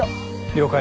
了解。